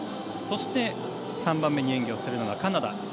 そして、３番目に演技するのがカナダ。